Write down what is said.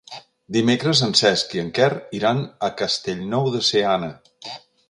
Dimecres en Cesc i en Quer iran a Castellnou de Seana.